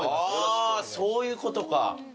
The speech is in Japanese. ああそういうことか。